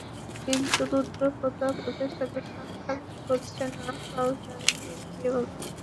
কিন্তু রুদ্র প্রতাপ ওদের সাথে সাক্ষাৎ করছে না কাল তার মেয়ের বিয়ে বলে।